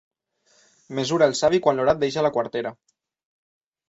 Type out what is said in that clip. Mesura el savi quan l'orat deixa la quartera.